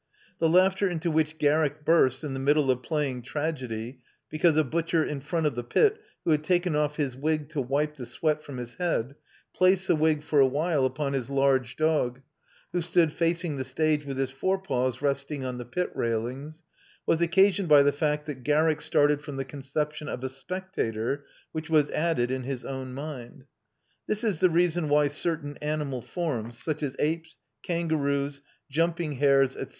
The laughter into which Garrick burst in the middle of playing tragedy because a butcher in the front of the pit, who had taken off his wig to wipe the sweat from his head, placed the wig for a while upon his large dog, who stood facing the stage with his fore paws resting on the pit railings, was occasioned by the fact that Garrick started from the conception of a spectator, which was added in his own mind. This is the reason why certain animal forms, such as apes, kangaroos, jumping hares, &c.